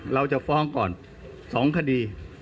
เราจะฟ้องก่อน๒คดี